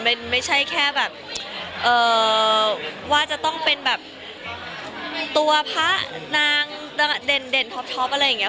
มันไม่ใช่แค่แบบว่าจะต้องเป็นแบบตัวพระนางเด่นท็อปอะไรอย่างนี้